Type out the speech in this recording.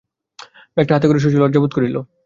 ব্যাগটা হাতে করিতে শশী লজ্জা বোধ করিল।